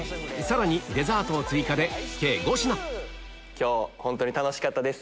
今日本当に楽しかったです